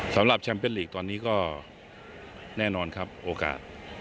สำหรับแชมเป็นลีกตอนนี้ก็แน่นอนครับโอกาส